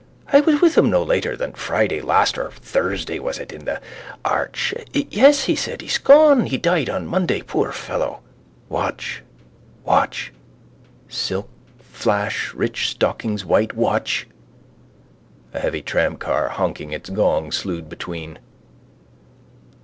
I was with him no later than Friday last or Thursday was it in the Arch. Yes, he said. He's gone. He died on Monday, poor fellow. Watch! Watch! Silk flash rich stockings white. Watch! A heavy tramcar honking its gong slewed between.